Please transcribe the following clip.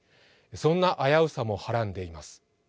そんな危うさもはらんでいます。